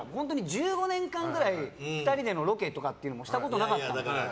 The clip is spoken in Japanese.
１５年間ぐらい２人でのロケとかしたことなかったから。